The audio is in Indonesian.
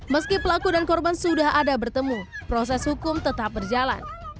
meski pelaku dan korban sudah ada bertemu proses hukum tetap berjalan